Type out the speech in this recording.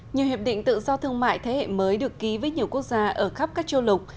nhiều hiệp định tự do thương mại thế hệ mới được ký với nhiều quốc gia ở khắp các châu lục